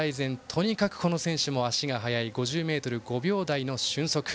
とにかく、この選手も足が速く５０ｍは５秒台の俊足。